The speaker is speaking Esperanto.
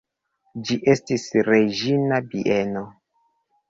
Ĝi estis reĝina bieno.